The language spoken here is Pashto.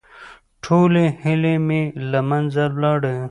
ټولې هيلې مې له منځه ولاړې.